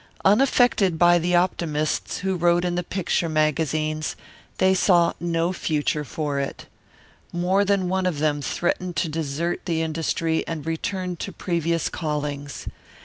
Unaffected by the optimists who wrote in the picture magazines, they saw no future for it. More than one of them threatened to desert the industry and return to previous callings.